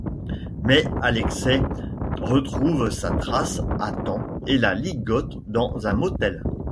Mais Alexei retrouve sa trace à temps et la ligote dans un motel.